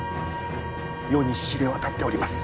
世に知れ渡っております。